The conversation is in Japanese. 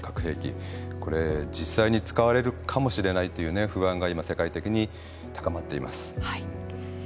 これ実際に使われるかもしれないという不安が今世界的に高まっています。